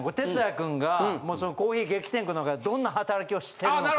君がコーヒー激戦区の中どんな働きをしているのか。